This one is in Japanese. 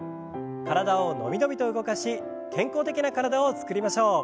体を伸び伸びと動かし健康的な体を作りましょう。